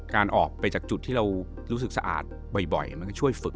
การออกไปจากจุดที่เรารู้สึกสะอาดบ่อยมันก็ช่วยฝึก